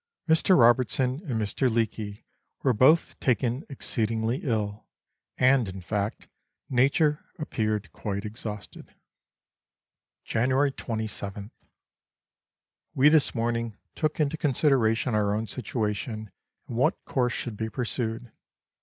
Mr. Robertson and Mr. Leake were both taken exceedingly ill, and, in fact, nature appeared quite exhausted. January 21th. We this morning took into consideration our own situation and what course should be pursued.